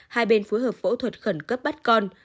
hai bên phối hợp phẫu thuật khẩn cấp bắt con